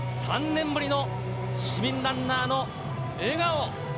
３年ぶりの市民ランナーの笑顔。